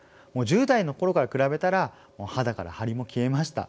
１０代の頃から比べたら肌から張りも消えました。